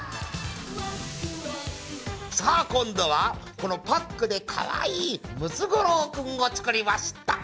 さあ今度はこのパックでかわいいムツゴロウくんを作りました。